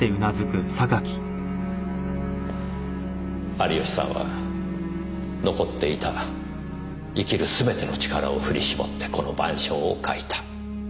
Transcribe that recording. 有吉さんは残っていた生きるすべての力を振り絞ってこの『晩鐘』を描いた。